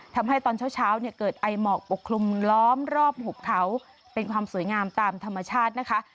ทำให้ตอนเช้าเนี่ยเกิดไอหมอกปกคลุมล้อมรอบหุบเขาเป็นความสวยงามตามธรรมชาตินะคะ